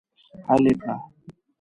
حل یې کړه.